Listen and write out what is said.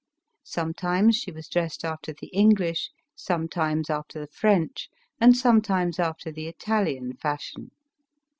Sometimes she was dressed after the English, sometimes after the French, and sometimes after the Italian fashion.